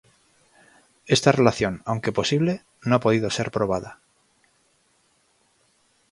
Esta relación, aunque posible, no ha podido ser probada.